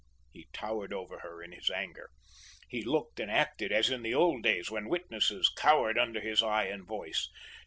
He towered over her in his anger. He looked and acted as in the old days, when witnesses cowered under his eye and voice.